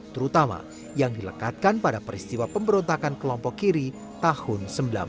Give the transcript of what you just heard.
terutama yang dilekatkan pada peristiwa pemberontakan kelompok kiri tahun seribu sembilan ratus sembilan puluh